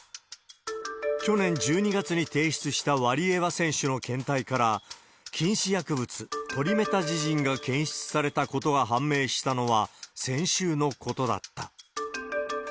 去年１２月に提出したワリエワ選手の検体から、禁止薬物、トリメタジジンが検出されたことが判明したのは、先週のことだった。